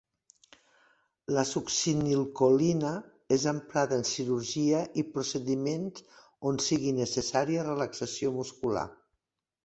La succinilcolina és emprada en cirurgia i procediments on sigui necessària relaxació muscular.